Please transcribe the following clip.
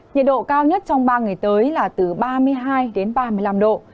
nhiệt độ cao nhất trong ba ngày tới là từ ba mươi hai đến ba mươi năm độ